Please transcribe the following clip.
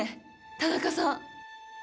⁉田中さん！